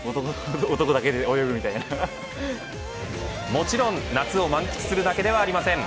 もちろん夏を満喫するだけではありません。